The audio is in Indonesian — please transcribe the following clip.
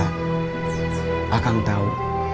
pak kang tahu